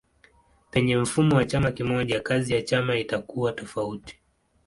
Penye mfumo wa chama kimoja kazi ya chama itakuwa tofauti.